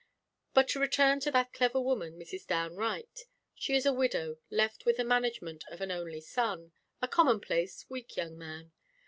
But to return to that clever woman Mrs. Downe Wright: she is a widow, left with the management of an only son a commonplace, weak young man.